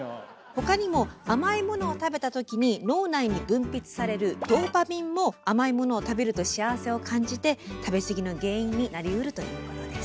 他にも甘いものを食べたときに脳内に分泌されるドーパミンも甘いものを食べると幸せを感じて食べ過ぎの原因になりうるということです。